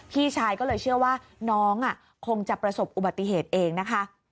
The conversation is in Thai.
พี่ชายก็เลยเชื่อว่าน้องคงจะประสบอุบัติเหตุเองนะคะ